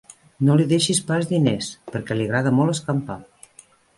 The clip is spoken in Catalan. No li deixis pas diners, perquè li agrada molt escampar.